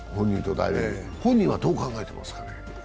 本人はどう考えてますかね。